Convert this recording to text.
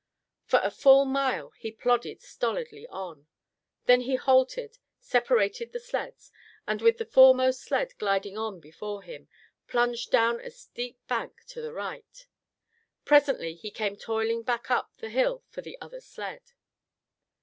For a full mile he plodded stolidly on. Then he halted, separated the sleds, and with the foremost sled gliding on before him, plunged down a steep bank to the right. Presently he came toiling back up the hill for the other sled.